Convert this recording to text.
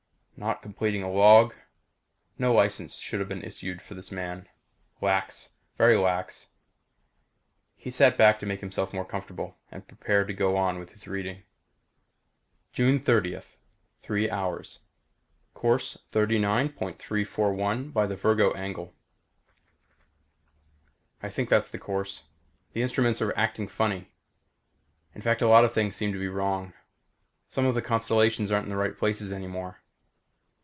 "Not completing a log. No license should have been issued this man. Lax! Very lax." He sat back to make himself more comfortable and prepared to go on with his reading. June 30th 3 hours Course 29.341 by the Virgo angle. I think that's the course. The instruments are acting funny. In fact a lot of things seem to be wrong. Some of the constellations aren't in the right places anymore.